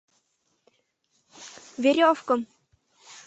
— Веревкым!